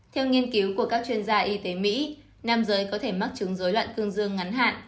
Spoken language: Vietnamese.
theo nghiên cứu của các chuyên gia y tế mỹ nam giới có thể mắc chứng dối loạn cương dương ngắn hạn